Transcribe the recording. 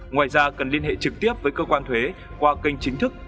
ngoài ra cần liên hệ trực tiếp với cơ quan thuế qua kênh chính thức